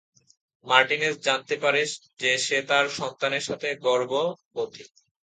Martinez জানতে পারে যে সে তার সন্তানের সাথে গর্ভবতী।